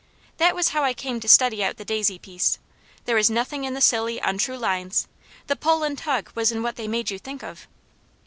That was how I came to study out the daisy piece. There was nothing in the silly, untrue lines: the pull and tug was in what they made you think of.